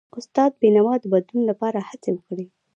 استاد بینوا د بدلون لپاره هڅې وکړي.